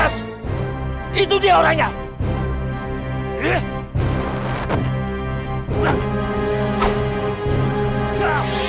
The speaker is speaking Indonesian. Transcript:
ada yang jalan